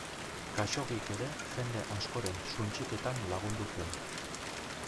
Khaxoggik ere jende askoren suntsiketan lagundu zuen.